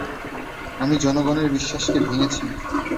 আমি জনগণের বিশ্বাসকে ভেঙেছি।